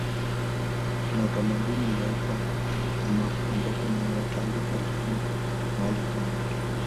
Kuna utamaduni unaoitwa mma ambapo matambiko yalifanyika mahali fulani